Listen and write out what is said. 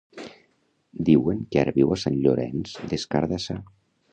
Diuen que ara viu a Sant Llorenç des Cardassar.